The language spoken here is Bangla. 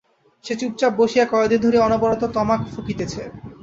সে চুপচাপ বসিয়া কয়দিন ধরিয়া অনবরত তামাক ফুঁকিতেছে।